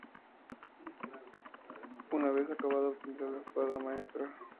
Una vez acabado obtendrá la Espada Maestra.